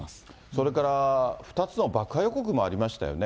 それから、２つの爆破予告もありましたよね。